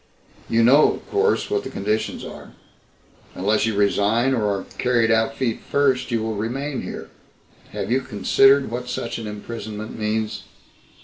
You know, of course, what the conditions are. Unless you resign or are carried out feet first you will remain here ... have you considered what such an imprisonment means?"